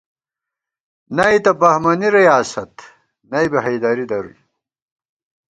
نئ تہ بہمَنی ریاست ، نئ بی حیدَری درُوئی